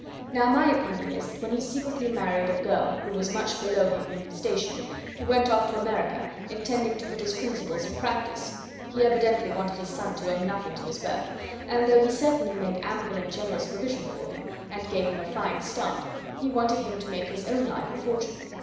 Now, my opinion is that when he secretly married a girl who was much below him in station, he went off to America, intending to put his principles in practice. He evidently wanted his son to owe nothing to his birth; and though he certainly made ample and generous provision for him, and gave him a fine start, he wanted him to make his own life and fortune.